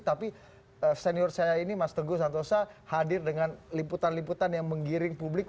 tapi senior saya ini mas teguh santosa hadir dengan liputan liputan yang menggiring publik